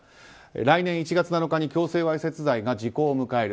来年１月７日に強制わいせつ罪が時効を迎える。